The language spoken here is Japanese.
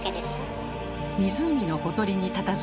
湖のほとりにたたずむ